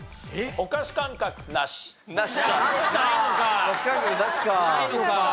お菓子感覚なしか。